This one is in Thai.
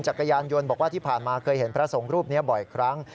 จักรยานยนต์บอกว่าที่ผ่านมาเคยเห็นพระสงฆ์รูปนี้บ่อยครั้ง